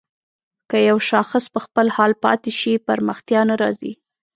که يو شاخص په خپل حال پاتې شي پرمختيا نه راځي.